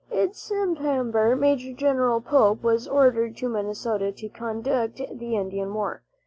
In September Major General Pope was ordered to Minnesota to conduct the Indian war.